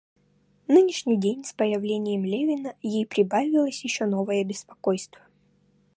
Нынешний день, с появлением Левина, ей прибавилось еще новое беспокойство.